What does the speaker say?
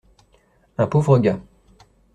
Un pauvre gars.